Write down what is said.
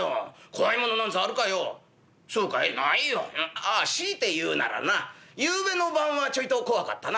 ああ強いて言うならなゆうべの晩はちょいとこわかったな」。